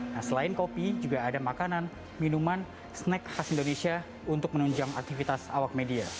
nah selain kopi juga ada makanan minuman snack khas indonesia untuk menunjang aktivitas awak media